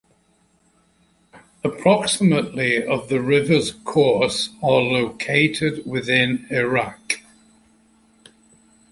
Approximately of the river's course are located within Iraq.